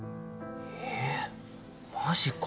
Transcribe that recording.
えっマジか。